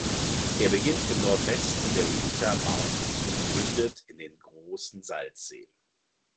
Er beginnt im Nordwesten der Uinta Mountains und mündet in den Großen Salzsee.